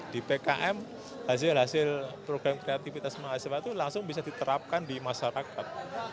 di pkm hasil hasil program kreativitas mahasiswa itu langsung bisa diterapkan di masyarakat